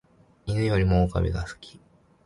犬よりも狼が好き